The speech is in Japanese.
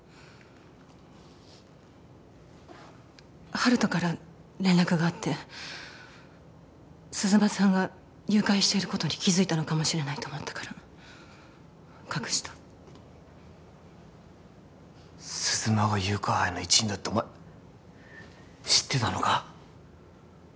温人から連絡があって鈴間さんが誘拐していることに気づいたのかもしれないと思ったから隠した鈴間が誘拐犯の一員だってお前知ってたのか？